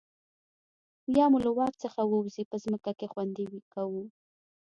یا مو له واک څخه ووځي په ځمکه کې خوندي کوو.